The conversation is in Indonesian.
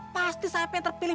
pasti sampean terpilih